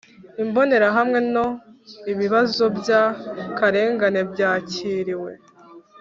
Imbonerahamwe No Ibibazo by akarengane byakiriwe